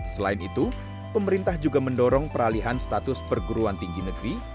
selain itu pemerintah juga mendorong peralihan status perguruan tinggi negeri